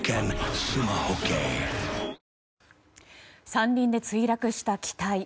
山林で墜落した機体。